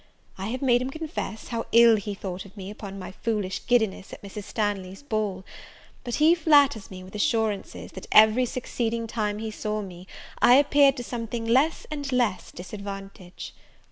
I have made him confess how ill he thought of me upon my foolish giddiness at Mrs. Stanley's ball; but he flatters me with assurances, that every succeeding time he saw me, I appeared to something less and less disadvantage.